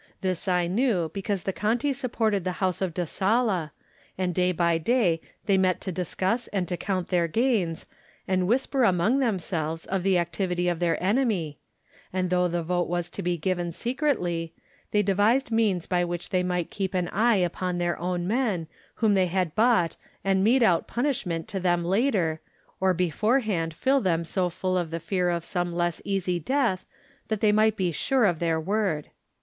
This I knew because the Conti supported the house of Da Sala, and day by day they met to discuss and to count their gains and whisper among themselves of the activity of their enemy, 52 Digitized by Google THE NINTH MAN and though the vote was to be given se cretly, they devised means by which they might keep an eye upon their own men whom they had bought and mete out pun ishment to them later, or beforehand fill them so full of the fear of some less easy death that they might be sure of their word.